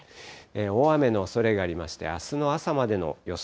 大雨のおそれがありまして、あすの朝までの予想